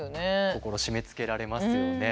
心締めつけられますよね。